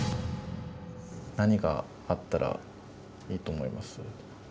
何があったらいいと思います？